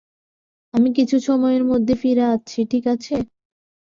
আমি কিছু সময়ের মধ্যেই ফিরে আসছি ঠিক আছে?